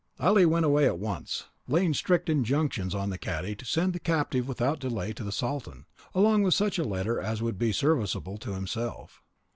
Ali went away at once, laying strict injunctions on the cadi to send the captive without delay to the sultan, along with such a letter as would be serviceable to himself.